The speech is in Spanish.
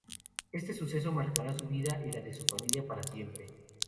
Este suceso marcará su vida y la de su familia para siempre.